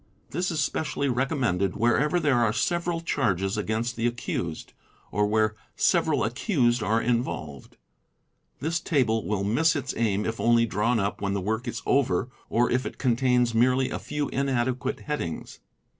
This is specially recommended wherever there are several charges against the accused, or where several accused are involved. This table will miss its aim if only drawn up when the work is over or if it con } tains merely a few madequate headings.